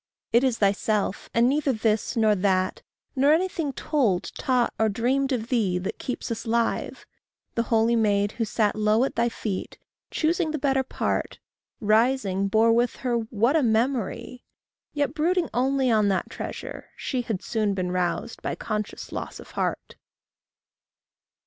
It is thyself, and neither this nor that, Nor anything, told, taught, or dreamed of thee, That keeps us live. The holy maid who sat Low at thy feet, choosing the better part, Rising, bore with her what a memory! Yet, brooding only on that treasure, she Had soon been roused by conscious loss of heart.